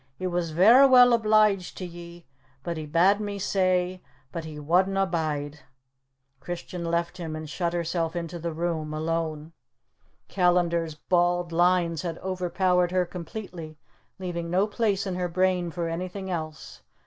"He was vera well obliged to ye, he bad' me say, but he wadna bide." Christian left him and shut herself into the room, alone. Callandar's bald lines had overpowered her completely, leaving no place in her brain for anything else.